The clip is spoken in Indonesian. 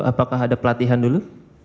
apakah ada pelatihan dulu